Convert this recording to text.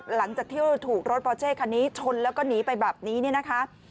หลังจากที่ถูกรถปอเช่คันนี้ชนแล้วก็หนีไปแบบนี้เนี่ยนะคะ